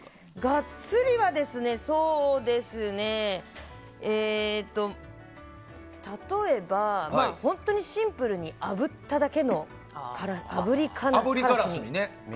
ガッツリは例えば、本当にシンプルにあぶっただけの、あぶりからすみ。